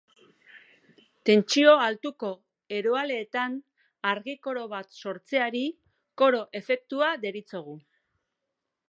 Tentsio altuko eroaleetan argi-koro bat sortzeari koro efektua deritzogu.